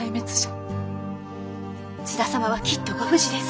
津田様はきっとご無事です。